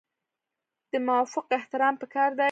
د مافوق احترام پکار دی